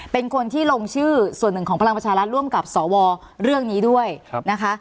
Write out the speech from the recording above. เป็นคนที่ลงชื่อส่วนหนึ่งของพลังประชารัฐร่วมกับสวเรื่องนี้ด้วยนะคะ